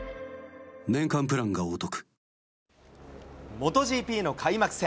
モトＧＰの開幕戦。